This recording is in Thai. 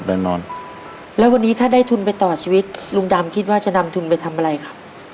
แน่นอนแล้ววันนี้ถ้าได้ทุนไปต่อชีวิตลุงดำคิดว่าจะนำทุนไปทำอะไรครับ